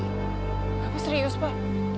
apa serius pak